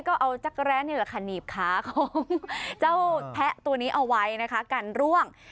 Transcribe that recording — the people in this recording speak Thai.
ก็เอาจักรแร้นี่แหละค่ะหนีบขาของเจ้าแพะตัวนี้เอาไว้นะคะกันร่วง